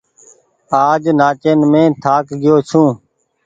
آج نآچين مين ٿآڪ گيو ڇون۔